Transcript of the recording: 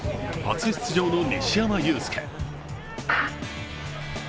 初出場の西山雄介。